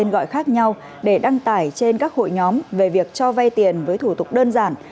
gọi khác nhau để đăng tải trên các hội nhóm về việc cho vay tiền với thủ tục đơn giản